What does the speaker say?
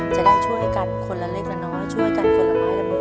จะได้ช่วยกันคนละเล็กและช่วยกันคนละไม้